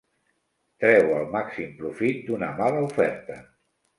Treu el màxim profit d'una mala oferta.